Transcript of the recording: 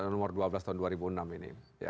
nomor dua belas tahun dua ribu enam ini